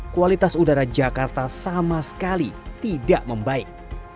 kualitas udara jakarta sama sekali tidak membaik